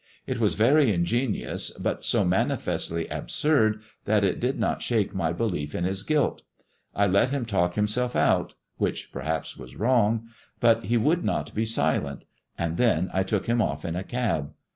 It was very ingenious, but so manifestly absurd that it did not shake my belief in his guilt. I let him talk himself out — which perhaps was wrong — but he would not be silent, and then I took him off in a cab.